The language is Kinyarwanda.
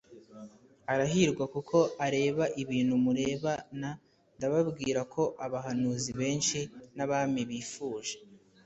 arahirwa kuko areba ibintu mureba n Ndababwira ko abahanuzi benshi n abami bifuje